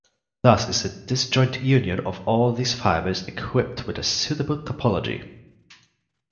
Thus is the disjoint union of all these fibers equipped with a suitable topology.